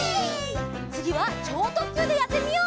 つぎはちょうとっきゅうでやってみよう！